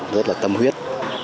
rất là tâm huyết